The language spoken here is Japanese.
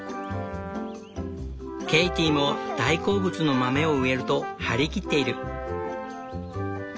ケイティも「大好物の豆を植える」と張り切っている。